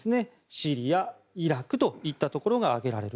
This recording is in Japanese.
シリア、イラクといったところが挙げられる。